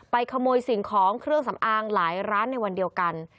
ขโมยสิ่งของเครื่องสำอางหลายร้านในวันเดียวกัน